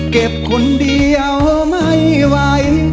เก็บคนเดียวไม่ไหว